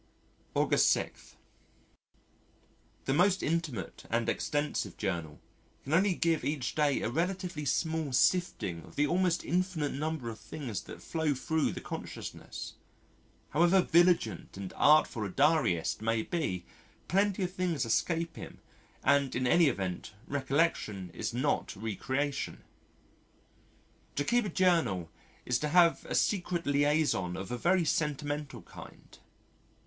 August 6. The most intimate and extensive journal can only give each day a relatively small sifting of the almost infinite number of things that flow thro' the consciousness. However vigilant and artful a diarist may be, plenty of things escape him and in any event re collection is not re creation.... To keep a journal is to have a secret liaison of a very sentimental kind.